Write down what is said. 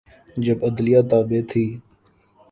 جب عدلیہ تابع تھی۔